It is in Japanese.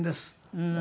うん。